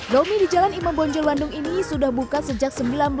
domi di jalan imam bonjol bandung ini sudah buka sejak seribu sembilan ratus sembilan puluh